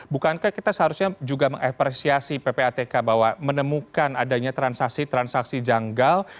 bukankah kita seharusnya juga mengapresiasi ppatk bahwa menemukan adanya transaksi transaksi janggal